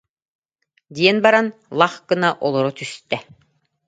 диэн баран, лах гына олоро түстэ